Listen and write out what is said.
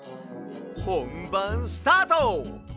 ほんばんスタート！